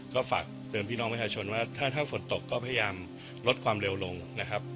ก็ฝากเตือนพี่น้องประชาชนว่าถ้าฝนตกก็พยายามลดความเร็วลงนะครับ